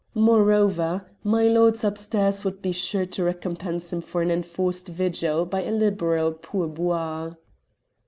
Moreover, milords upstairs would be sure to recompense him for an enforced vigil by a liberal pourboire.